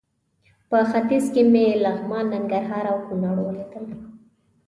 په ختیځ کې مې لغمان، ننګرهار او کونړ ولیدل.